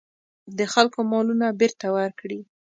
د خلکو مالونه بېرته ورکړي.